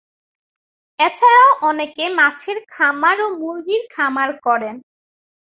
এছাড়াও অনেকে মাছের খামার ও মুরগীর খামার করেন।